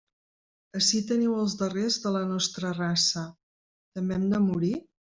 Ací teniu els darrers de la nostra raça, ¿també hem de morir?